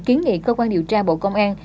kiến nghị cơ quan điều tra bộ công an